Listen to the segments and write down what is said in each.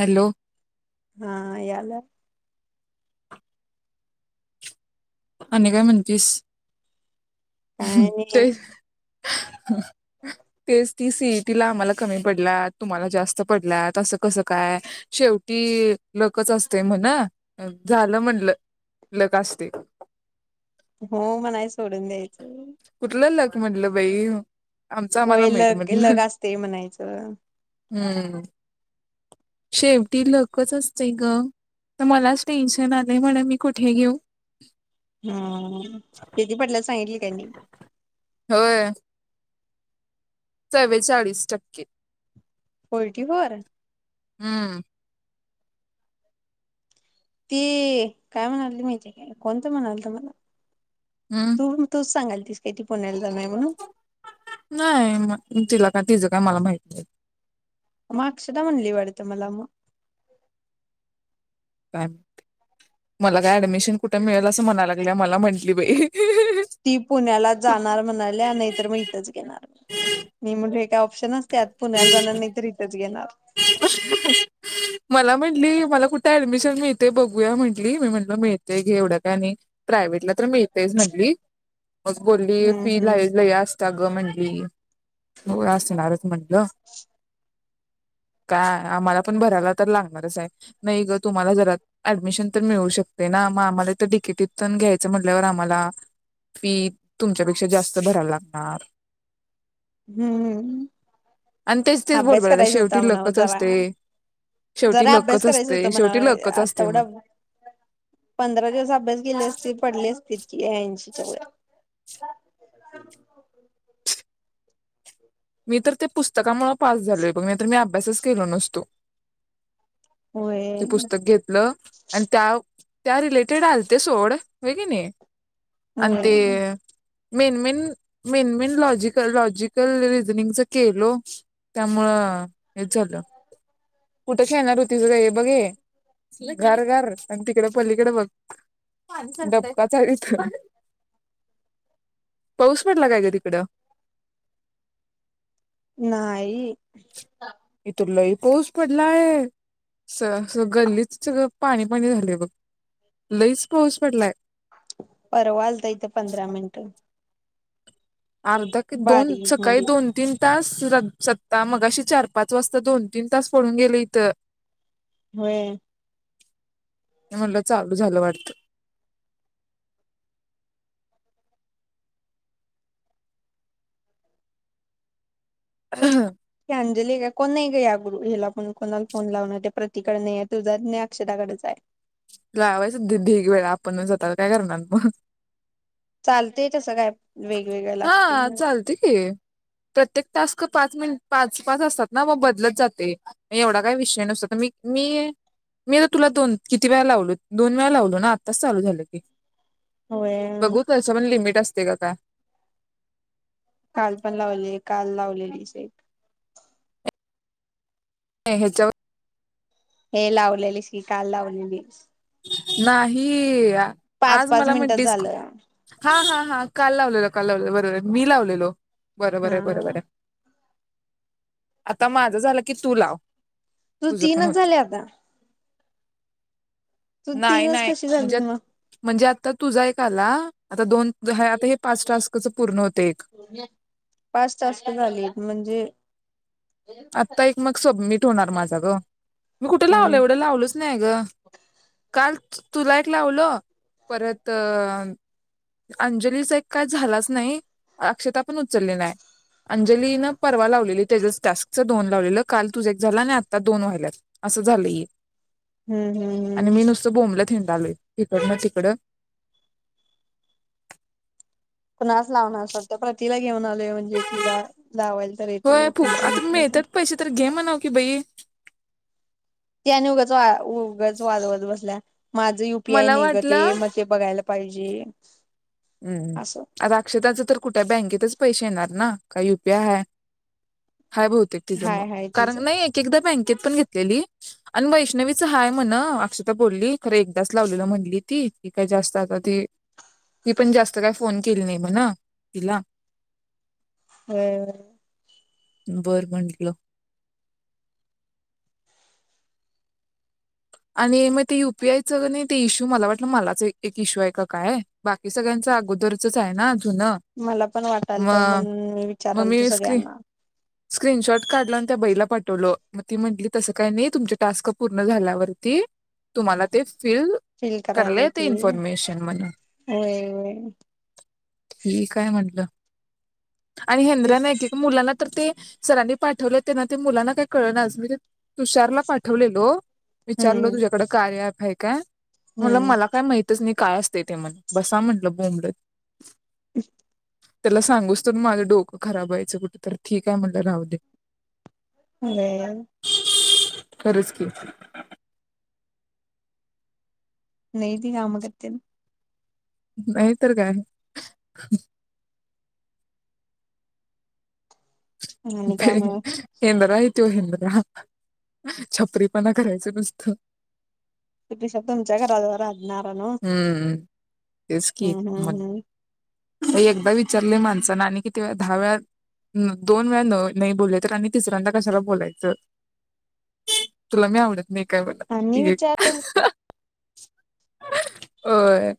Hello हा याला आणि काय म्हणतीस काय नाही ते तेच ती सीईटीला आम्हाला कमी पडल्यात तुम्हाला जास्त पडल्यात असं कस काय शेवटी लकच असते म्हण झालं म्हणल लक असतंय हो म्हणायच सोडून द्यायच म्हणलं बाई आमचं हो आम्हाला माहित लक म्हटलं लक असतंय म्हणायचं हम्म शेवटी लकच असतंय ग तर मलाच टेन्शन आलय म्हणा मी कुठे घेऊ हम किती पडल्यात सांग काय नाही चव्वेचालीस टक्के फोर्टी फोर हम्म ती काय तर म्हणालती माहितय काय कोण तर म्हणाल तर मला तू तू सांगाल [unintelligible] नाय मी तिला तिज काय मला माहित नाय मग अक्षदा म्हणली वाटत मला मग का मला काय ऍडमिशन कुठ मिळेल असं म्हणालागलो मला म्हटली बाई ती पुण्याला कुठ जाणार म्हणाल्या नाहीतर मग इथंच घेणार मी म्हटल ते ऑप्शन असत्यात पुण्याला जाणार नाही तर इथेच घेणार मला म्हटली मला कुठे ऍडमिशन मिळते बघूया म्हटली मी म्हटलं मिळतंय घे एवढं काय नाही प्रायवेट ला तर मिळतंयचं मनली मग बोलली हम्म फी हम्म लय लय असत्याग मग म्हंटली हो असणारच म्हटली हॅलो. काय आम्हाला पण भरायला तर लागणारच आहे नाही काय आम्हाला पण भरायला तर लागणारच हाय नैग तुम्हाला जरा ऍडमिशन तर मिळू शकते ना मग आम्हाला तर डिकेटीत पण घ्यायचं म्हटल्यावर आम्हाला फी तुमच्यापेक्षा जास्त भरायला लागणार. हम्म आणि तेच तेच अभ्यास बोडबडायला करायचं होत शेवटी म्हणा लकच जरा असते शेवटी जरा अभ्यास लकच करायचं होत असते म्हणा शेवटी लकच असते आठवडा मला तिचीनचटळ [unintelligible] मी तर ते पुस्तकामुळे पास झालोय बघ नाही तर मी अभ्यासच केलो नसतो. होय पुस्तक घेतलं आणि त्या त्या रिलेटेड आलते सोड होय की नाही. अन होय ते main main main main logical logical अच केल त्यामुळं हेच झालं कुठं खेळणार हो तिच का हे बघ घर घर आणि तिकड पलीकडे बघ डप्पा चालत पाऊस पटला काय ग तिकड नाही. इथं लई पाऊस पडलाय स गल्ली सगळं पाणी पाणी झालंय बघ लईच पाऊस पडलाय. परवा आला इथं त पंधरा मिनटं. अर्धा दोन बारीक सकाळी मध्ये दोन तीन तास सत्ता मग अशी चार पाच वाजता दोन तीन तास पडून गेले इथं. होय. म्हटला चालू झालं वाटतं. ह. ही अंजली आहे का कोण नाही ग या गुरु हिला पण कोणाला फोन लावण त्या प्रतीकडे नाही तुझा नाही अक्षराकडेच आहे. लावायचं डिग वेळा आपणच आता काय करणार मग? चालतेय तसं काय वेगवेगळ लागते. हा चालते की प्रत्येक टास्क पाच मिनटं पाच पाच असतात ना बदलत जाते एवढा काय विषय नसतो तर मी मी मी तुला दोन किती किती वेळा लावलो दोन वेळा लावलो ना आत्ताच चालू झालं की. होय बघू त्याच पण लिमिट असतं. ते कथ [inaudible] काल पण लावली काल लावलेली स एक. नाही ह्याच्यावर हे लावलेलीस काल लावलेली. नाही. आज पाच मला मिनिटात म्हणती झालं हा हा हा काल लावलेलं काल. बरोबर मी लावलेलो. बरोबर हा आहे बरोबर आहे. आता माझं झालं कि तू लाव. तू तुझं पण तीनच होत झाले आता तू नाही तीनच नाही कशी झाली म्हणजे मग म्हणजे आता तुझा आहे का आला आता दोन हा- आता हे पाच टास्कच पूर्ण होते एक पाच टास्क झालीत म्हणजे आता एक मग सबमिट होणार माझा ग मी कुठे लावल हम्म एवढं लावलच नाही ग काल तुला एक लावलं परत अंजलीचा एक काय झालाच नाही अक्षताः पण उचलले नाहीय अंजलीन परवा लावलेली त्याच्याच टास्कच दोन लावलेलं काल तुझ एक झाला आणि आता दोन व्हाल्यात असं झालंही हम्म हम्म हम्म थेंडाले तिकड ना तिकडं पुणाच लावणार अस वाटतं पण तिला घेऊन आल म्हणजे तिला लावायला तर हो येते फुक तीच आता नसल्याच मिळतच पैसे तर घे म्हणा की बै उगच उगच वाजूवात बसल्या माझं युपीआय मला नय ग ते वाटलं म ते बघयला पाहिजे हूं असं आता अक्षताच तर कुठय बँकेतच पैसे येणार ना काय यु पी आय हाय हाय बहुतेक तिचं म हाय हाय कारण तिचं नय एक एकदा बँक ती पण घेतलेली आणि वैष्णवीच हाय म्हण अक्षता बोलली खर एकदाच लावलेलं म्हणली ती की काय जास्त आता ती ती पण जास्त काय फोन केली नाय म्हण तिला [unintelligible] बरं म्हंटलं आणि मग ते यु पी आय चं कणय ते इशू मला वाटलं मलाच एक इश्यू आहे का काय बाकी सगळ्यांच अगोदरचच आहे ना होना मला पण वाटाल म तर म्हणून मी म विचाराल मी तू स्क्रीन सगळ्यांना स्क्रीनशॉट काढलानं त्या बईला पाठवलं म ती म्हंटली तसं काय नइ तुमचे टास्क पूर्ण झाल्यावर ते तुम्हाला ते फिल फील करायला कराला येत येते इन्फॉर्मेशन म्हणून होय होय ठीक हाय म्हटलं आणि ते हेंद्रा ना एक एक मुलांना तर ते सरांनी पाठवले त्यांना ते मुलांना काही कळ नाच मी ते तुषारला पाठवलेलो. विचारल हम्म तुझ्याकड कार्या ऍप हाय का म्हणलो हम्म मला काय माहितच नई काय असतेय ते म्हण बसा म्हंटलं बोंबडत [unintelligible] त्याला सांगूचतोवर माझं डोकं खराब व्हायचं कुठ तर ठीक आहे म्हणलं राहू दे [unintelligible] खरच की नाही ती काम करत्यानं नाही तर काय आणि काय मग हेंद्र आहित तो हेंद्रा छपरीपणा करायचं नुसतं तुमच्या घराजवळ राहणार नव्ह हम्म तेचं की हम्म हम्म हम्म मंद एकदा विचारले माणसान आणि किती दहा वेळा, दोन वेळा न नाही बोलले तर आणि तिसऱ्यांदा कशाला बोलायचं? तुला मी आवडत नाही का म्हणा आणि विचारल होय.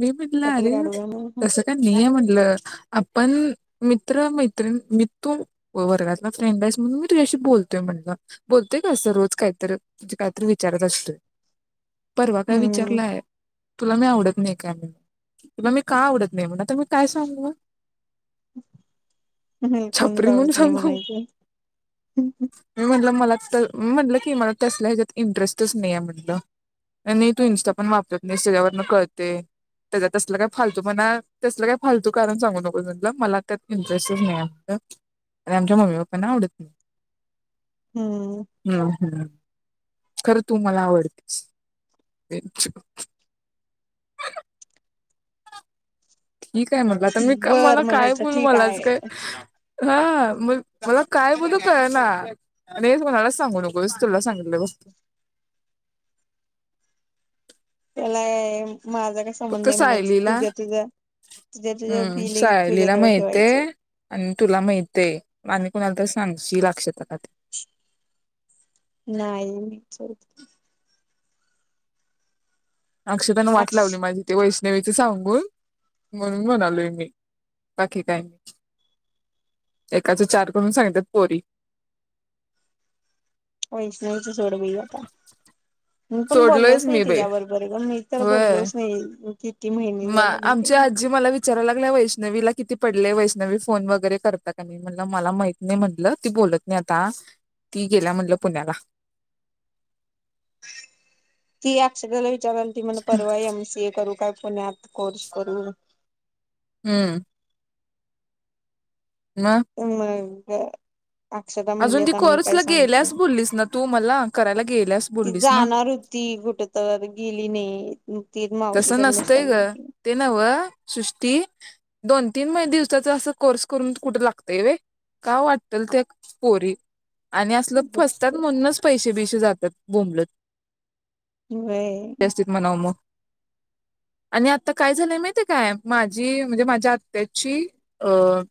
मी म्हटलं चपल अरे काढूया म्हणून तसं काय नाइये म्हण ल आपण मित्र मैत्रिण मी तू वर्गातला फ्रेंड आहेस म्हणून मी तुझ्याशी बोलतोय म्हणलं, बोलतोय का असं रोज काहीतरी तु काहीतरी विचारत असतोय. परवा काय हम्म विचारलाय तुला मी आवडत नाही काय तुला मी का आवडत नाही म्हण आता मी काय सांगू? कोणच छपरी म्हणून आवडत नाही सांगू. म्हणायचं मी म्हटलं मला तर म्हटलं की मला तसल्या ह्याच्यात इंटरेस्टच नाही आहे म्हटलं. नाही तू इंस्टा पण वापरत नाही त्याच्यावरन कळत ते त्या तसल काय फालतू पणा तसल काय फालतू कारण सांगू नकोस म्हटलं मला त्यात इंटरेस्टच नाही हाय म्हटल आणि आमच्या मम्मी पप्पाना आवडत नाही हम्म हम, हम्म खरं तू मला आवडतीस ठीक हाय म्हटलं, आता मी बर मला काय म्हणायचं बोलू ठीक मलाच आहे काय हां म मला काय बोलू कळना आणि हे कुणालाच सांगू नकोस तुला सांगितलंय फक्त मला माझा काय संबंध फक्त नाही म्हणायच, सायलीला तुझ्या-तुझ्या तुझ्या-तुझ्या हम्म फिलिंग सायलीला तुझ्याजवळ ठेवायचंय माहितेय आणि तुला माहितय आणि कुणाला तर सांगशील आक्षताला ते नाही. अक्षयतानं वाट अक्ष लावली माझी ते वैश नाही व्हायचं सांगून म्हणून म्हणालोय मी बाकी काय नाही एकाचे चार करून सांगत्यात पोरी वैष्णवी सोड बाई आता. मी पण बोललोच सोडलोयच नाही मी बाई तीच्याबरोबर मी तर बोललोच नाही किती महिने म झालं मी ते आमची आजी मला विच विचाराय लागल्या वैष्णवीला किती पडले वैष्णवी फोन वगैरे करतिया काय नाही, मला माहित नाही म्हटलं ती बोलत नाही आता ती गेल्या म्हटल पुण्याला ती आक्षताला विचारालती म्हण परवा एम सी ए करू काय पुण्यात कोर्स करू? हम्म मग मग हो अक्षता म्हणली अजून ती आता मी काय कोर्सला सांगू गेल्यास बोललीस ना तू मला करायला गेल्यास ती बोललीस ना जाणार होती कुठ तर गेली नाही ती तस मावशीकड नुसता नसतंय ग गेली ते नवं सृष्टी दोन तीन महि दिवसाचा असं कोर्स करून कुठे लागतय व का वाटल त्या पोरी आणि असल फसत्यात ती म्हणूनच पैसे बिश जात्यात बोंबलत व्हय जास्तीत म्हणाव मग आणि आता काय झालंय माहिती काय माझी म्हणजे माझ्या आत्याची अं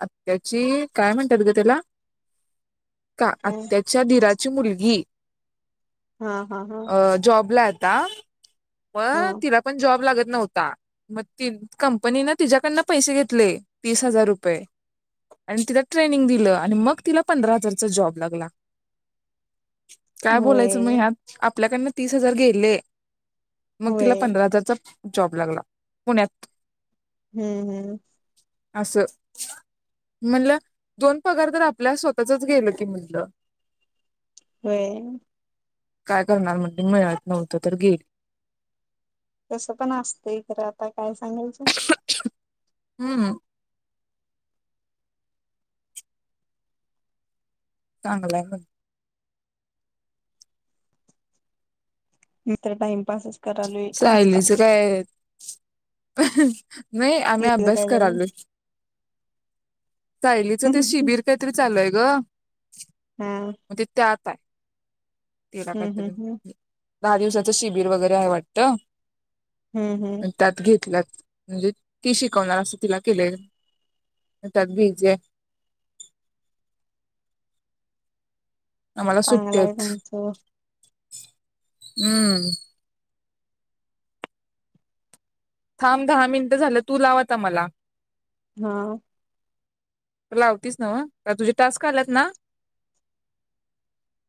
आत्याची काय म्हणतात ग त्याला का काय आत्ताच्या दिरा ची मुलगी हा हा हा अ जॉबला. अत्ता म हा तिला पण जॉब लागत. नव्हता मग कंपनीने तिच्याकडन पैसे घेतले तीस हजार रुपये आणि तिला ट्रेनिंग दिलं आणि मग तिला पंधरा हजारचा जॉब लागला. काय बोलायचं होय मी ह्यात आपल्याकड तीस हजार गे इले मग तिला होय पंधरा हजारचा जॉब लागला पुण्यात हम्म हम्म. असं म्हटलं दोन पगार तर आपल्या स्वतःचच गेल की म्हटलं. हो. काय करणार म्हण्टलं मिळत नव्हतं तर गेल. तसं पण असतंय खरं आता काय सांगायचं. हम ह चांगलंय ब मित्र टाइमपास असतो. सायलीच काय आहे. [unintelligible] नाही आम्ही तिचं अभ्यास काय झालं करालोय. सायलीचं ते शिबिर काहीतरी चालूय ग. हा म्हग त ते आता आहे. तिरा हम्म हम्म कटून हम्म दहा दिवसाच शिबिर वगैरे आहे वाटंत. हम्म हम्म [unintelligible] त्यात घेतल्यात. म्हणजे ती शिकवणार असं तिला केलय, त्यात भी जे आम्हाला सुट्ट्या चांगलाय हेत. तुमचं हम्म. थांब, दहा मिनिट झालं, तू लावता मला. हा. लावतीच नव्ह, का तुझे टास्क आलेत ना?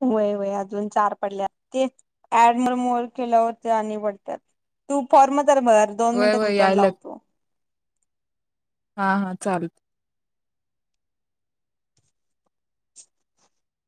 व्हय व्हय अजून चार पडल्यात ते, ऍडमी केलं होत आणि पडत्यात, तू फॉर्म तर भर, दोन व्हय मिनिटत मी व्हय पण यायल्यात लावतो. हा हा चालेल.